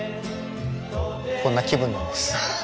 こんな気分なんです。